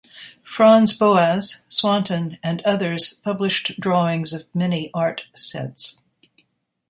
Franz Boas, Swanton and others published drawings of many art sets.